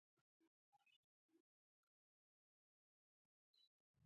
او هغه ورته وائي شکر کوه